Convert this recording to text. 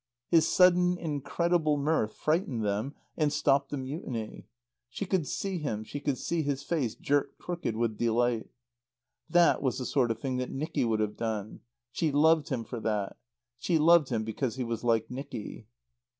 His sudden, incredible mirth frightened them and stopped the mutiny. She could see him, she could see his face jerked crooked with delight. That was the sort of thing that Nicky would have done. She loved him for that. She loved him because he was like Nicky.